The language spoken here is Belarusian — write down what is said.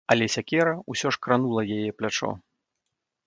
Але сякера ўсё ж кранула яе плячо.